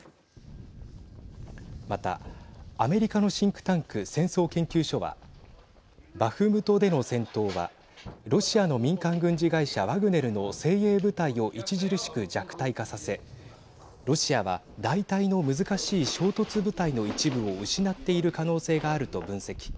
また、アメリカのシンクタンク戦争研究所はバフムトでの戦闘はロシアの民間軍事会社ワグネルの精鋭部隊を著しく弱体化させロシアは代替の難しい衝突部隊の一部を失っている可能性があると分析。